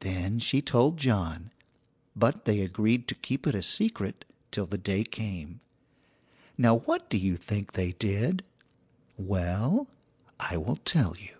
Then she told John, but they agreed to keep it a secret till the day came. Now what do you think they did? Well, I will tell you.